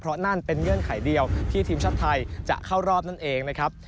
เพราะนั่นเป็นเงื่อนไขเดียวที่ทีมชาติไทยจะเข้ารอบนั่นเองนะครับ